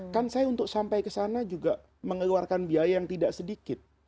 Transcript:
kan saya untuk sampai ke sana juga mengeluarkan biaya yang tidak sedikit